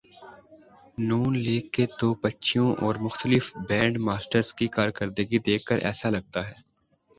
ن لیگ کے توپچیوں اور مختلف بینڈ ماسٹرز کی کارکردگی دیکھ کر ایسا لگتا ہے۔